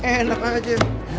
eh enak aja